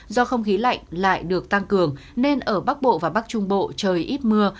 do không khí lạnh lại được tăng cường nên ở bắc bộ và bắc trung bộ trời ít mưa